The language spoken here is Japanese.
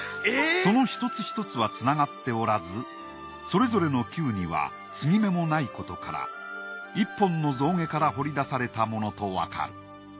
その１つ１つは繋がっておらずそれぞれの球には継ぎ目もないことから１本の象牙から彫り出されたものとわかる。